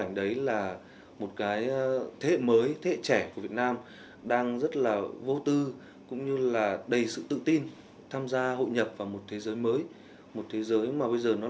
nhiều người khéo